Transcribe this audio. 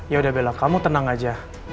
yaudah bella kamu tenang aja